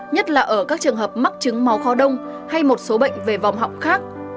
nhất là ở các trường hợp mắc chứng màu kho đông hay một số bệnh về vòng họng khác